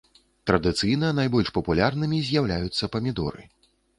Традыцыйна найбольш папулярнымі з'яўляюцца памідоры.